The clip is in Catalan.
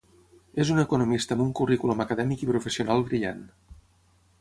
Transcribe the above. És una economista amb un currículum acadèmic i professional brillant.